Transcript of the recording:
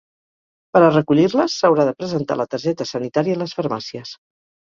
Per a recollir-les, s’haurà de presentar la targeta sanitària a les farmàcies.